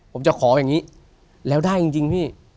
ผมจะขออย่างนี้แล้วได้จริงพี่